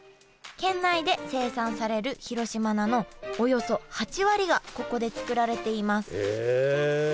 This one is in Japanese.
県内で生産される広島菜のおよそ８割がここで作られています